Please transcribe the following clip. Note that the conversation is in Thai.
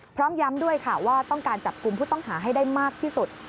พร้อมย้ำด้วยค่ะว่าต้องการจับกลุ่มผู้ต้องหาให้ได้มากที่สุด